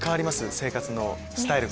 生活のスタイルが。